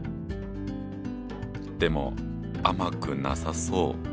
でも甘くなさそう。